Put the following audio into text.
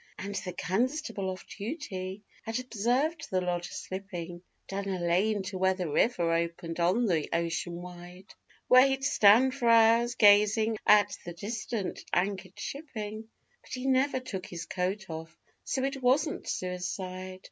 And the constable, off duty, had observed the lodger slipping Down a lane to where the river opened on the ocean wide, Where he'd stand for hours gazing at the distant anchor'd shipping, But he never took his coat off, so it wasn't suicide.